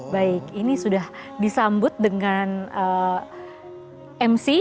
baik ini sudah disambut dengan mc